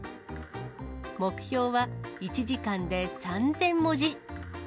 目標は１時間で３０００文字。